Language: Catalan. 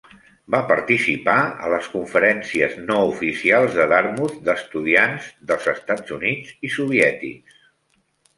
Va participar a les conferències no oficials de Dartmouth d'estudiants dels Estats Units i soviètics.